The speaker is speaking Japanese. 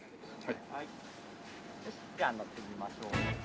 じゃあ乗ってみましょう。